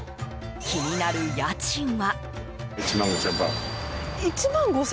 気になる家賃は。